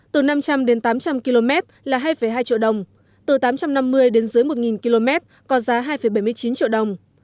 từ năm trăm linh đến tám trăm linh km là hai hai triệu đồng từ tám trăm năm mươi đến dưới một km có giá hai bảy mươi chín triệu đồng